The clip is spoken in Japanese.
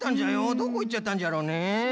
どこいっちゃったんじゃろうね。